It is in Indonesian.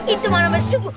itu mana masuk